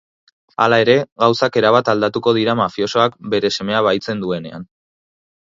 Hala ere, gauzak erabat aldatuko dira mafiosoak bere semea bahitzen duenean.